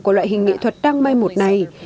của loại hình nghệ thuật đăng may một này